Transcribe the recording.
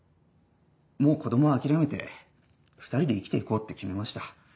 もう子供は諦めて２人で生きて行こうって決めました。